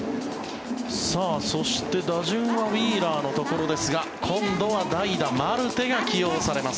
そして打順はウィーラーのところですが今度は代打、マルテが起用されます。